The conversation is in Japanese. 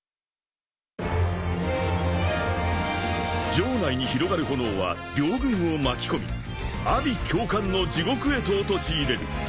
［城内に広がる炎は両軍を巻き込み阿鼻叫喚の地獄へと陥れる］